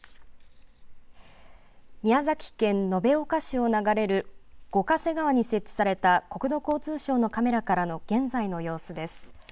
宮崎県延岡市を流れる五ヶ瀬川に設置された国土交通省のカメラからの現在の様子です。